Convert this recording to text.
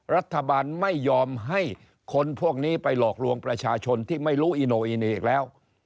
รัฐบาลไม่ยอมให้คนพวกนี้ไปหลอกลวงประชาชนที่ไม่รู้อีโนอีเนอีกแล้ว